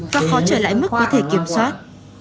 và khó trở lại mức quy thể kiểm soát